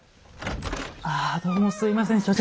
ああどうもすいません所長。